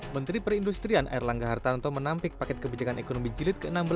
menteri perindustrian erlangga hartanto menampik paket kebijakan ekonomi jilid ke enam belas